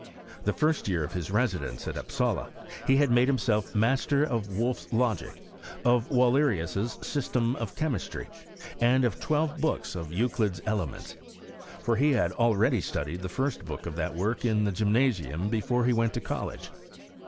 'Hie fir<i real o( his ■t npsa]a, he had made bimself ma5teT of Wolfs Lo^, of Wallerius's System of Chemistry, and of twelTe boolES of Euclid's Elements : for he had aU readj studied the Rnt book of that woiic in the Gymnasium before he went to eoUege.